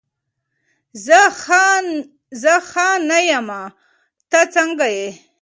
زه ښه نه یمه، ته څنګه یې؟